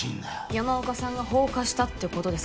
山岡さんが放火したってことですか